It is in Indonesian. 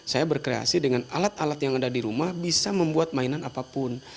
saya berkreasi dengan alat alat yang ada di rumah bisa membuat mainan apapun